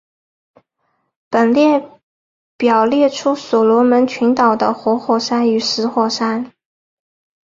本列表列出所罗门群岛的活火山与死火山。